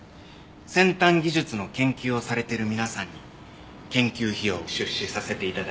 先端技術の研究をされてる皆さんに研究費用を出資させて頂いております。